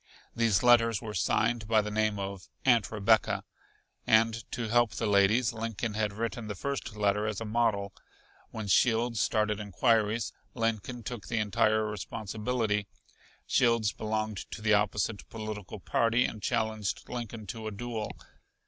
These letters were signed by the name of "Aunt Rebecca," and to help the ladies Lincoln had written the first letter as a model. When Shields started inquiries, Lincoln took the entire responsibility. Shields belonged to the opposite political party and challenged Lincoln to a duel.